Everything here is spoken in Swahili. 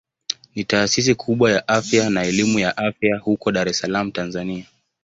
Ni taasisi kubwa ya afya na elimu ya afya huko Dar es Salaam Tanzania.